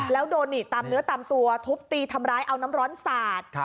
แล้วโดนหนีบตามเนื้อตามตัวทุบตีทำร้ายเอาน้ำร้อนสาด